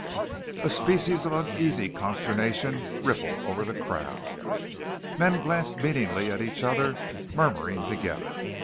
A species of uneasy consternation rippled over the crowd. Men glanced meaningly at each other, murmuring together.